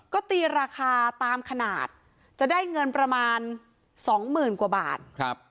ก็ตีราคาตามขนาดจะได้เงินประมาณสองหมื่นกว่าบาท